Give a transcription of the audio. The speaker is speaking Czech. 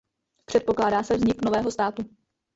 Předpokládá se vznik nového státu.